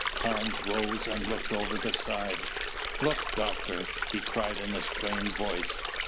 Carnes rose and looked over the side. "Look, Doctor!" he cried in a strained voice.